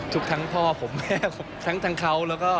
ทั้งพ่อผมแม่ผมทั้งเขา